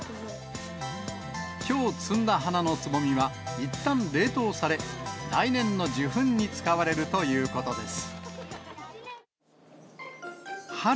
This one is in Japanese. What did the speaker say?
きょう摘んだ花のつぼみは、いったん冷凍され、来年の授粉に使われるということです。